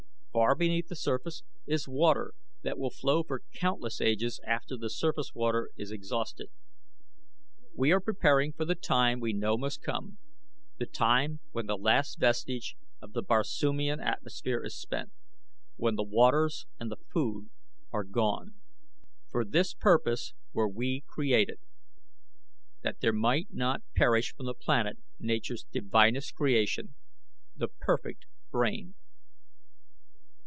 Far beneath the surface is water that will flow for countless ages after the surface water is exhausted. We are preparing for the time we know must come the time when the last vestige of the Barsoomian atmosphere is spent when the waters and the food are gone. For this purpose were we created, that there might not perish from the planet Nature's divinest creation the perfect brain."